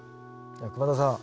熊澤さん